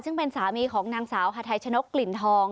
ซึ่งเป็นสามีของนางสาวฮาไทชนกกลิ่นทอง